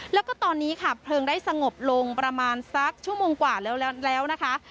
แล้วก็ตอนนี้ค่ะเพลิงได้สงบลงประมาณสักชั่วโมงกว่าแล้วนะคะ